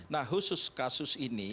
nah khusus kasus ini